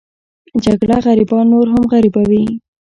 جګړه غریبان نور هم غریبوي